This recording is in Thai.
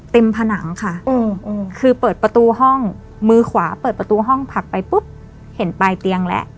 ผนังค่ะคือเปิดประตูห้องมือขวาเปิดประตูห้องผลักไปปุ๊บเห็นปลายเตียงแล้ว